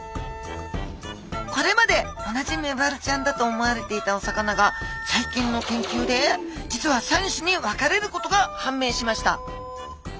これまで同じメバルちゃんだと思われていたお魚が最近の研究で実は３種に分かれることが判明しました。